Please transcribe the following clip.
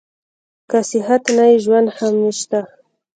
که صحت نه وي ژوند هم نشته.